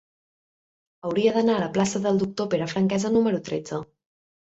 Hauria d'anar a la plaça del Doctor Pere Franquesa número tretze.